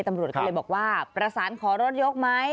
ตำรวจก็เลยบอกว่าประสานขอรถยกไหม